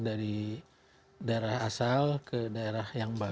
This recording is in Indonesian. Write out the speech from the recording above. dari daerah asal ke daerah yang baru